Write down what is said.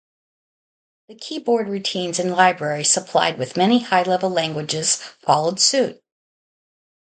The keyboard routines in libraries supplied with many high-level languages followed suit.